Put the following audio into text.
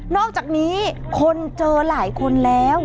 อกจากนี้คนเจอหลายคนแล้ว